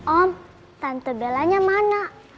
om tante bellanya mana